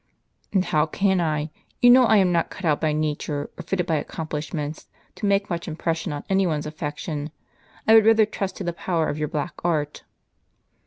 " And how can I ? You know I am not cut out by nature, or fitted by accomplishments, to make much impression on any one's affections. I would rather trust to the power of your black art."